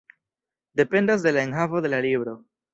Dependas de la enhavo de la libro.